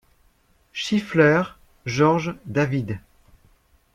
Schieffler, George David.